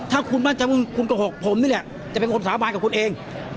ถ้าคุณโกหกผมนี่แหละจะเป็นคนสาบานกับคุณเอง